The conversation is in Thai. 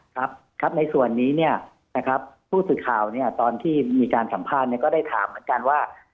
ครับครับในส่วนนี้เนี่ยนะครับผู้สื่อข่าวเนี่ยตอนที่มีการสัมภาษณ์ก็ได้ถามเหมือนกันว่า